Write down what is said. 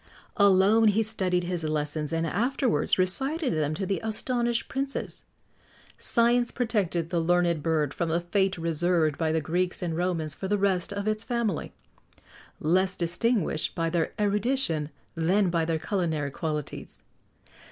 Alone he studied his lessons, and afterwards recited them to the astonished princes.[XX 61] Science protected the learned bird from the fate reserved by the Greeks and Romans for the rest of its family, less distinguished by their erudition than by their culinary qualities.